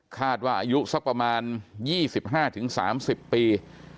คาดว่าอายุสักประมาณ๒๕๓๐ปี